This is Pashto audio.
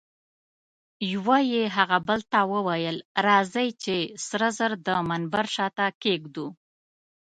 یوه یې هغه بل ته وویل: راځئ چي سره زر د منبر شاته کښېږدو.